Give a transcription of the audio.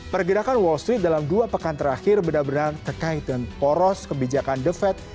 pergerakan wall street dalam dua pekan terakhir benar benar terkait dengan poros kebijakan the fed